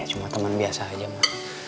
ya cuma temen biasa aja ma